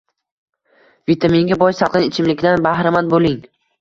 Vitaminga boy salqin ichimlikdan bahramand bo‘ling